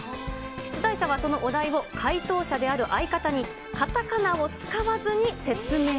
出題者はそのお題を、回答者である相方に、カタカナを使わずに説明。